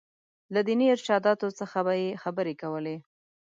له ديني ارشاداتو څخه به یې خبرې کولې.